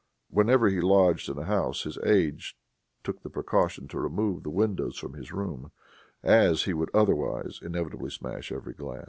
Whenever he lodged in a house, his aides took the precaution to remove the windows from his room, as he would otherwise inevitably smash every glass.